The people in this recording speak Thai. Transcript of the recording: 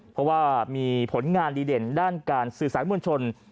เพราะว่ามีผลงานดีเด่นด้านการสื่อสารมวลชน